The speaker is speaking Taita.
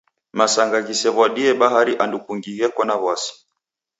Masanga ghisew'adie bahari andu kungi gheko na w'asi.